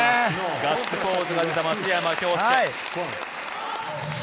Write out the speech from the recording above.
ガッツポーズが出た松山。